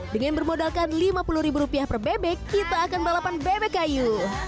dengan bermodalkan lima puluh ribu rupiah per bebek kita akan balapan bebek kayu